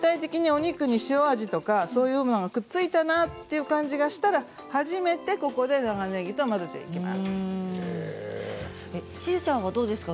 全体的にお肉に塩を味とかがくっついたなという感じがしたら初めてここで長ねぎと混ぜていきます。